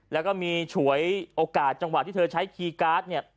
แล้วก็มีฉวยโอกาสจังหวะที่เธอใช้คีย์การ์ดเนี่ย